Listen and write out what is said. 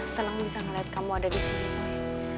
seneng bisa ngeliat kamu ada disini boy